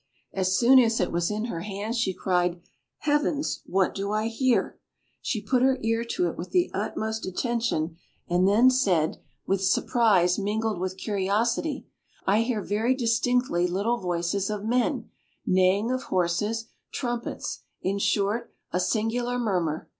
As soon as it was in her hand, she cried, "Heavens, what do I hear!" She put her ear to it with the utmost attention, and then said, with surprise mingled with curiosity, "I hear very distinctly little voices of men, neighing of horses, trumpets, in short, a singular murmur.